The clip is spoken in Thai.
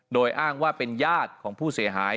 โดยอ้างว่าเป็นญาติของผู้เสียหาย